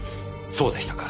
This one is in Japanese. そうでしたか。